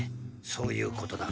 そういうことだ。